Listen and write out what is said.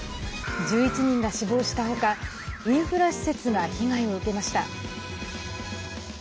１１人が死亡した他インフラ施設が被害を受けました。